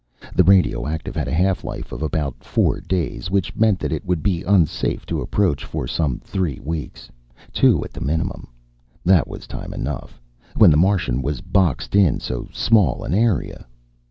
The radioactive had a half life of about four days, which meant that it would be unsafe to approach for some three weeks two at the minimum. That was time enough, when the Martian was boxed in so small an area.